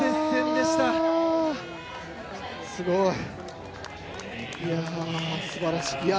いや、すごい、すばらしい。